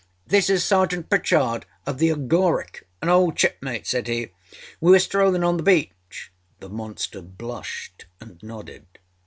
âThis is Sergeant Pritchard, of the Agaric, an old shipmate,â said he. âWe were strollinâ on the beach.â The monster blushed and nodded.